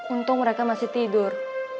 untung mereka masih tidur